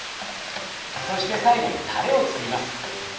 そして最後にたれをつくります。